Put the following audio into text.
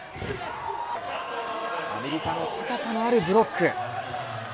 アメリカの高さのあるブロック。